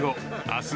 明日